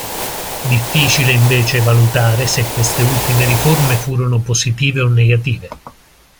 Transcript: Difficile invece valutare se queste ultime riforme furono positive o negative.